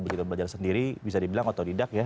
begitu belajar sendiri bisa dibilang otodidak ya